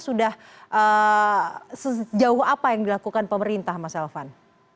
sudah sejauh apa yang dilakukan pemerintah mas elvan